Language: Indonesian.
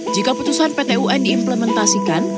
jika putusan pt un diimplementasikan